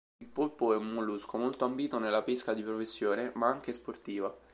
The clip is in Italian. Il polpo è un mollusco molto ambito nella pesca di professione, ma anche sportiva.